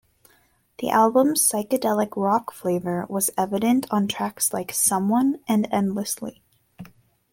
The album's psychedelic rock flavour was evident on tracks like "Someone" and "Endlessly".